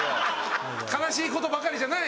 悲しい事ばかりじゃない！